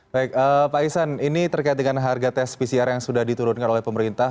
baik pak isan ini terkait dengan harga tes pcr yang sudah diturunkan oleh pemerintah